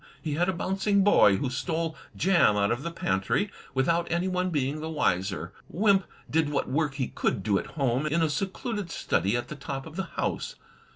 He had a bouncing boy, who stole jam out of the pantry without any one being the wiser. Wimp did what work he could do at home in a secluded study at the top of the house.